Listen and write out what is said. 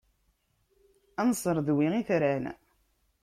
Ad nesredwi itran.